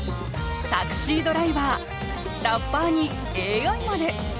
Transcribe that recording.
タクシードライバーラッパーにＡＩまで。